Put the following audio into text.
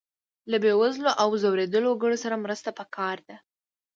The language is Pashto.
له بې وزلو او ځورېدلو وګړو سره مرسته پکار ده.